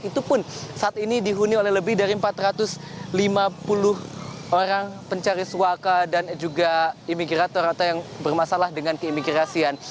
itu pun saat ini dihuni oleh lebih dari empat ratus lima puluh orang pencari suaka dan juga imigrator atau yang bermasalah dengan keimigrasian